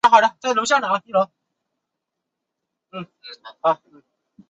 该物种的模式产地在安达曼和尼科巴群岛。